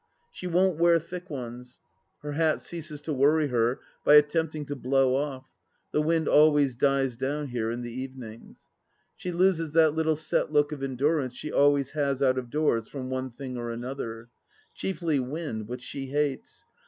She won't wear thick ones. Her hat ceases to worry her by attempting to blow off ; the wind always dies down here in the evenings. She loses that little set look of endurance she always has out of doors from one thing or another — chiefly wind, which she hates.